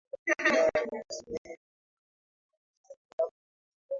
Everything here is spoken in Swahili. kausha viazi lishe